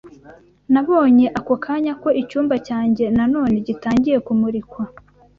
nabonye ako kanya ko icyumba cyanjye na none gitangiye kumurikwa